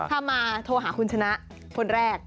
ถ้ามาโทรหาคุณชนะคนแรก